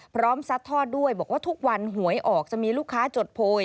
ซัดทอดด้วยบอกว่าทุกวันหวยออกจะมีลูกค้าจดโพย